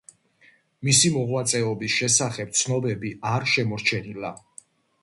მისი მოღვაწეობის შესახებ ცნობები არ შემორჩენილა.